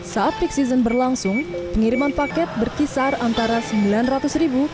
saat peak season berlangsung pengiriman paket berkisar antara rp sembilan ratus ribu